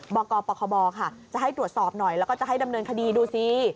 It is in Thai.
บกปคบค่ะจะให้ตรวจสอบหน่อยแล้วก็จะให้ดำเนินคดีดูสิ